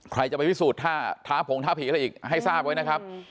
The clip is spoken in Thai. ใครจะไปพิสูจน์ท่าท้าผงท้าผีอะไรอีกให้ทราบไว้นะครับ